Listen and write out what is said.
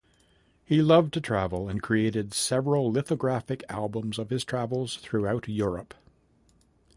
He loved to travel and created several lithographic albums of his travels throughout Europe.